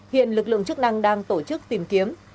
hiện lực lượng chức năng đang tổ chức tìm kiếm